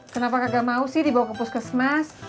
kenapa kagak mau sih dibawa ke puskesmas